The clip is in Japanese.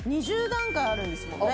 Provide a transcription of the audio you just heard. ２０段階あるんですもんね。